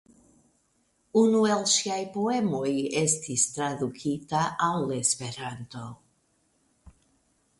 Unu el ŝiaj poemoj estis tradukita al Esperanto.